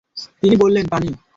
তিনি বললেন, পানি।